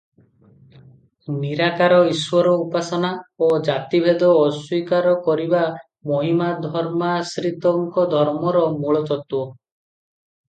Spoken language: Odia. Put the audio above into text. ନିରାକାର ଈଶ୍ୱର ଉପାସନା ଓ ଜାତିଭେଦ ଅସ୍ୱୀକାର କରିବା ମହିମାଧର୍ମାଶ୍ରିତଙ୍କ ଧର୍ମର ମୂଳତତ୍ତ୍ୱ ।